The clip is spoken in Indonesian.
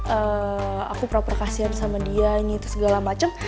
eee aku pura pura kasihan sama dia ini itu segala macem